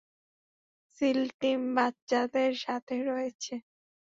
Seal team বাচ্চাদের সাথে রয়েছে।